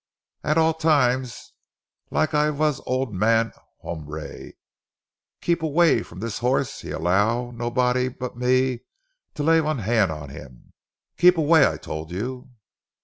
Act all time lak I vas von ol' man. Humbre, keep away from dis horse; he allow nobody but me to lay von han' on him—keep away, I tol' you!"